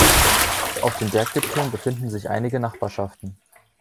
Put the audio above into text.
Auf den Berggipfeln befinden sich einige Nachbarschaften.